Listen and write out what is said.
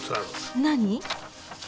何？